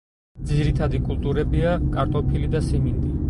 ძირითადი კულტურებია კარტოფილი და სიმინდი.